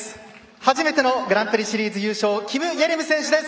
初めてのグランプリシリーズ優勝キム・イェリム選手です。